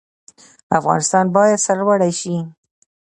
افغانستان باید سرلوړی شي